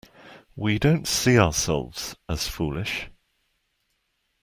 We don't see ourselves as foolish.